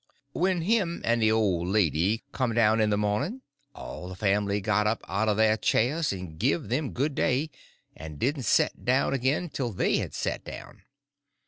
When him and the old lady come down in the morning all the family got up out of their chairs and give them good day, and didn't set down again till they had set down.